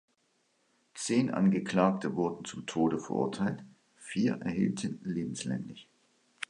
Zehn Angeklagte wurden zum Tode verurteilt, vier erhielten lebenslänglich.